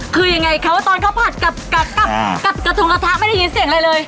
คือยังไงเขาตอนิเค้าผัดกะทุนกระทะไม่ได้ยินเสียงอะไรเลย